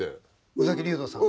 宇崎竜童さん？